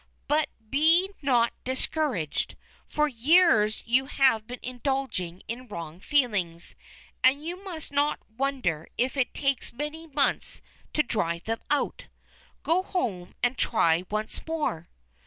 But be not discouraged, for years you have been indulging in wrong feelings; and you must not wonder if it takes many months to drive them out. Go home and try once more."